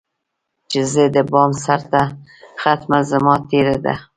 چي زه دبام سرته ختمه، زمانه تیره ده